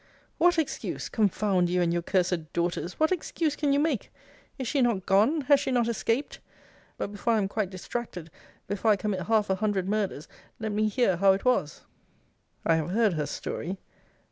'What excuse! Confound you, and your cursed daughters, what excuse can you make? Is she not gone Has she not escaped? But before I am quite distracted, before I commit half a hundred murders, let me hear how it was.' I have heard her story!